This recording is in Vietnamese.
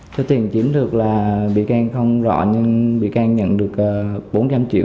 số tiền chiếm được là bị can không rõ nhưng bị can nhận được bốn trăm linh triệu